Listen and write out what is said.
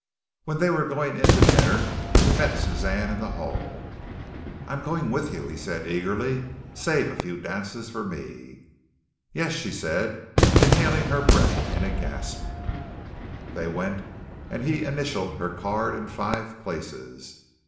When they were going in to dinner, he met Suzanne in the hall. "I am going with you," he said eagerly. "Save a few dances for me." "Yes," she said, inhaling her breath in a gasp. They went, and he initialled her card in five places.